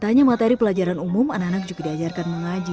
tanya materi pelajaran umum anak anak juga diajarkan mengaji